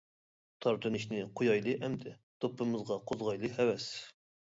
تارتىنىشنى قويايلى ئەمدى، دوپپىمىزغا قوزغايلى ھەۋەس.